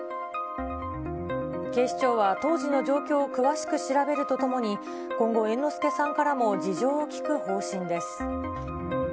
警視庁は当時の状況を詳しく調べるとともに、今後、猿之助さんからも事情を聞く方針です。